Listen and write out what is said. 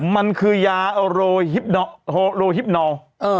มันคือยาโรฮิปนอล